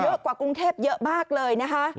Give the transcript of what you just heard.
กว่ากรุงเทพเยอะมากเลยนะคะ